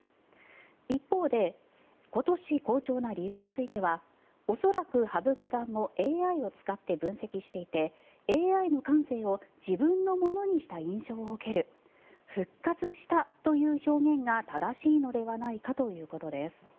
一方で今年、好調な理由については恐らく羽生九段もＡＩを使って分析していてＡＩの感性を自分のものにした印象を受ける復活したという表現が正しいのではないかということです。